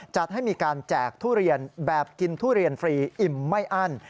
จัดให้มีการแจกทุเรียนแบบกินทุเรียนฟรีอิ่มไม่อั้น